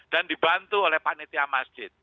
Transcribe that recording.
dan dibantu oleh panitia masjid